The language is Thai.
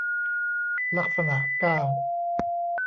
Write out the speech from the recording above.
ลักษณะเก้า